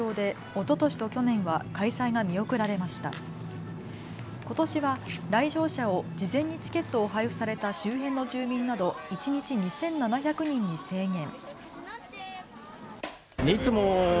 ことしは来場者を事前にチケットを配布された周辺の住民など一日２７００人に制限。